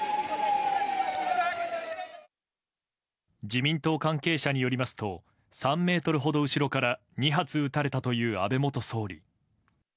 自民党関係者によりますと３ｍほど後ろから２発撃たれたという安倍元総理。